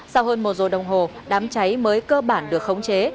sau hơn một giờ đồng hồ đám cháy mới cơ bản được khống chế